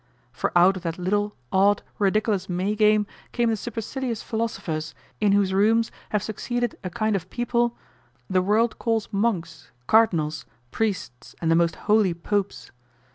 For out of that little, odd, ridiculous May game came the supercilious philosophers, in whose room have succeeded a kind of people the world calls monks, cardinals, priests, and the most holy popes.